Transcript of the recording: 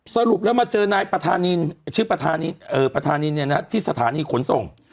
สรุปแล้วมาเจอนายประธานินชื่อประธานินที่สถานีขนส่ง